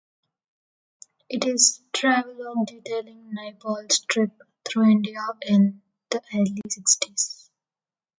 It is a travelogue detailing Naipaul's trip through India in the early sixties.